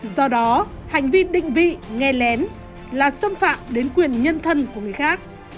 do đó hành vi định vị nghe lén là xâm phạm đến quyền nhân thân của người khác